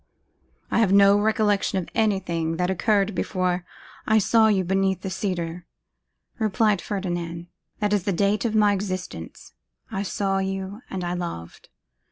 'I have no recollection of anything that occurred before I saw you beneath the cedar,' replied Ferdinand: 'that is the date of my existence. I saw you, and I loved.